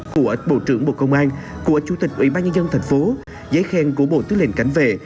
của bộ trưởng bộ công an của chủ tịch ubnd tp giấy khen của bộ tư lệnh cảnh vệ